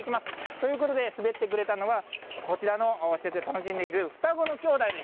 ということで、滑ってくれたのは、こちらの施設で楽しんでいる双子の兄弟です。